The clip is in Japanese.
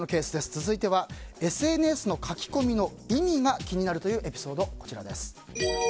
続いてはＳＮＳの書き込みの意味が気になるというエピソードです。